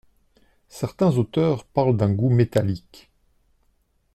Certains auteurs parlent d'un gout métallique.